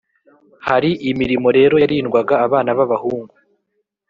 Hari imirimo rero yarindwaga abana b’abahungu